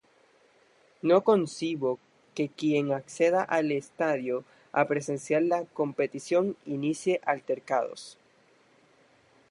No concibo que quien acceda al estadio a presenciar la competición, inicie altercados